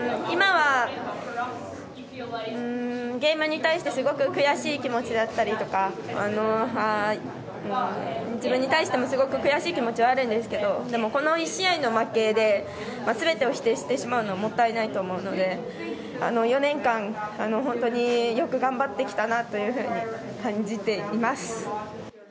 今はゲームに対してすごく悔しい気持ちだったりとか自分に対しても悔しい気持ちはあるんですけどでもこの１試合の負けで全てを否定してしまうのはもったいないと思うので、４年間本当によく頑張ってきたなというふうに感じています。